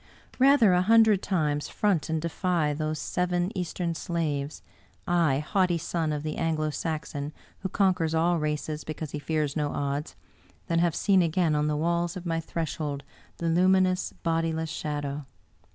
Rather, a hundred times, front and defy those seven Eastern slaves — I, haughty son of the Anglo Saxon who conquers all races because he fears no odds — ^than have seen again on the walls of my threshold the luminous, bodi less shadow!